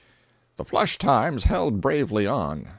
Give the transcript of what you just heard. The "flush times" held bravely on.